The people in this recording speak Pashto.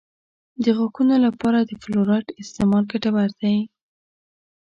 د غاښونو لپاره د فلورایډ استعمال ګټور دی.